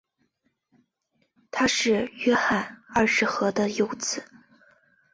他是约翰二世和的幼子。